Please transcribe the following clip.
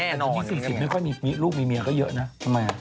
แต่ว่าที่๔๐ไม่ค่อยมีลูกมีเมียก็เยอะนะทำไมล่ะ